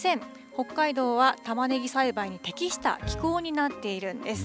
北海道はたまねぎ栽培に適した気候になっているんです。